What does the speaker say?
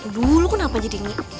dulu kenapa jadi ini